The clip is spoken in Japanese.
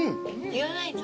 言わないと。